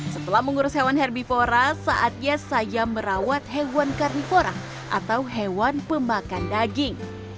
setelah mengurus hewan herbivora saatnya saya merawat hewan karnivora atau hewan pemakan daging